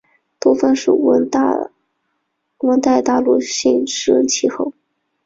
多芬属温带大陆性湿润气候。